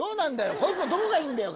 こいつのどこがいいんだよ